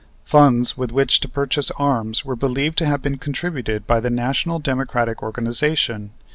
Funds with which to purchase arms were believed to have been contributed by the National Democratic organization.